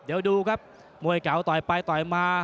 เดี๋ยวดูครับมวยเก่าต่อยไปต่อยมา